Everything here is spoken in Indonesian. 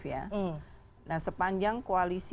sepanjang kepentingan koalisi